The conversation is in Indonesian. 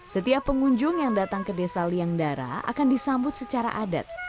setiap pengunjung yang datang ke desa liangdara akan disambut secara adat